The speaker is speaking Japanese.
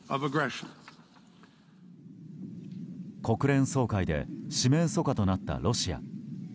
国連総会で四面楚歌となったロシア。